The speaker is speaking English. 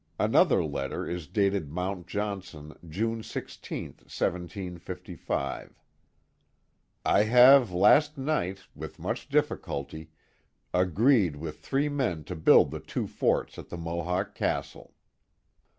Another letter is dated Mount Johnson, June 16, 1755: I have last night, with much difficulty, agreed with three men to build the two Forts at the Mohawk Castle.